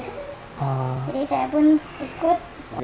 jadi saya pun ikut